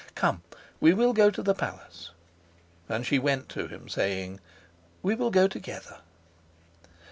Come, we will go to the palace." And she went to him, saying, "We will go together."